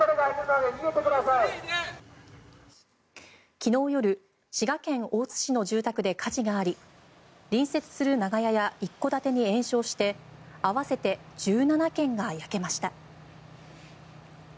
昨日夜、滋賀県大津市の住宅で火事があり隣接する長屋や一戸建てに延焼して合わせて１７軒が焼けました。